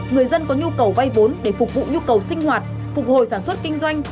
người dân có nhu cầu vay vốn để phục vụ nhu cầu sinh hoạt phục hồi sản xuất kinh doanh